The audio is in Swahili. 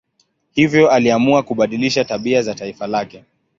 Hivyo aliamua kubadilisha tabia za taifa lake.